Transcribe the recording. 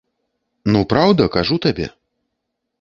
Ну, праўда, кажу табе.